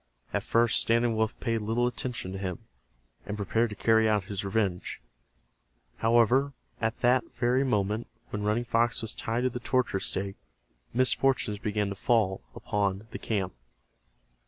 At first Standing Wolf paid little attention to him, and prepared to carry out his revenge. However, at the very moment when Running Fox was tied to the torture stake misfortunes began to fall upon the camp.